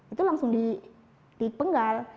itu langsung dipenggal